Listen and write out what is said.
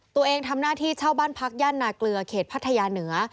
ตัวเองทำหน้าที่เช่าบ้านพักย่านนาเกลือเขตพัทยาเหนือ